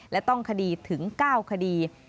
และต้องคดีถึง๙คดี